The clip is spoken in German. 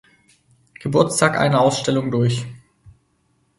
Geburtstag eine Ausstellung durch.